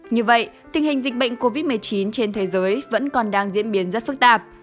như vậy tình hình dịch bệnh covid một mươi chín trên thế giới vẫn còn đang diễn biến rất phức tạp